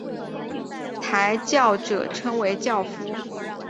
抬轿者称为轿夫。